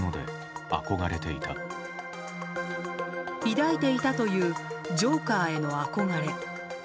抱いていたというジョーカーへの憧れ。